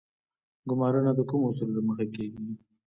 ګمارنه د کومو اصولو له مخې کیږي؟